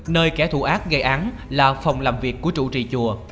nơi kẻ thù ác gây án là phòng làm việc của trụ trì chùa